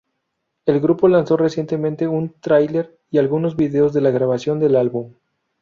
El grupo lanzó recientemente un trailer y algunos vídeos de la grabación del álbum.